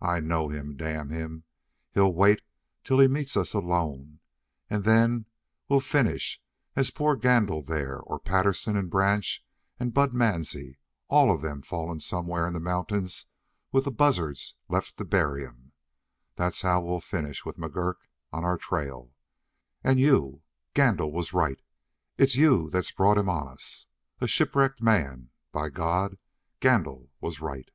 I know him, damn him. He'll wait till he meets us alone, and then we'll finish as poor Gandil, there, or Patterson and Branch and Bud Mansie, all of them fallen somewhere in the mountains with the buzzards left to bury 'em. That's how we'll finish with McGurk on our trail. And you Gandil was right it's you that's brought him on us. A shipwrecked man by God, Gandil was right!"